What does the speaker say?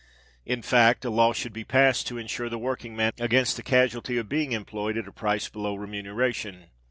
In fact, a law should be passed to ensure the working man against the casualty of being employed at a price below remuneration.